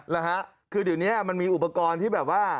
นะฮะคือเดี๋ยวนี้มันมีอุปกรณ์ที่แบบว่า